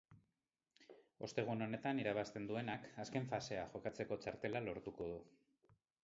Ostegun honetan irabazten duenak azken fasea jokatzeko txartela lortuko du.